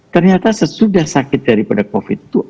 ternyata sesudah sakit daripada covid itu